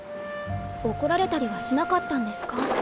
怒られたりはしなかったんですか？